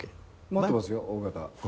持ってますよ大型。